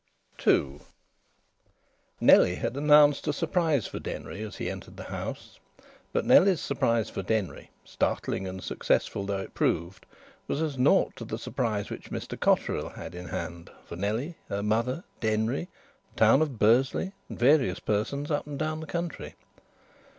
II Nellie had announced a surprise for Denry as he entered the house, but Nellie's surprise for Denry, startling and successful though it proved, was as naught to the surprise which Mr Cotterill had in hand for Nellie, her mother, Denry, the town of Bursley, and various persons up and down the country.